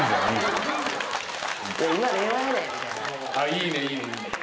いいねいいね。